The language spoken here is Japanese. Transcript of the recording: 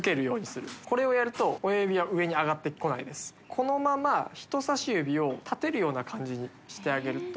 このまま人差し指を立てるような感じにしてあげると。